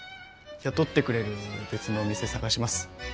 雇ってくれる別のお店探します。